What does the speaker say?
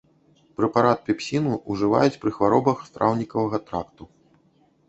Прэпарат пепсіну ўжываюць пры хваробах страўнікавага тракту.